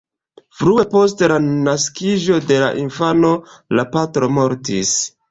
Frue post la naskiĝo de la infano, la patro mortis.